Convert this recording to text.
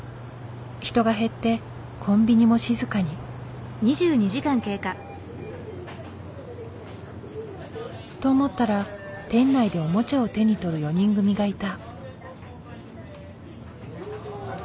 人が減ってコンビニも静かに。と思ったら店内でおもちゃを手に取る４人組がいた。